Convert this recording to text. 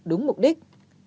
đúng mục đích